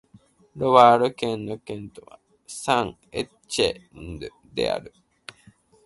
ロワール県の県都はサン＝テチエンヌである